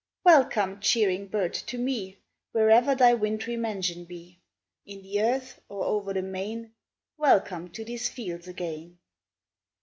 Welcome, cheering bird to me, Where'er thy wintry mansion be, In the earth, or o'er the main, Welcome to these fields again!